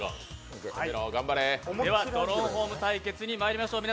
では「ドローンホーム」対決にまいりましょう。